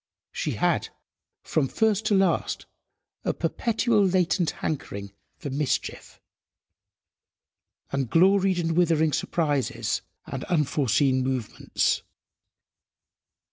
She had, from first to last, a perpetual latent hankering for mischief, and gloried in withering surprises and unforeseen movements.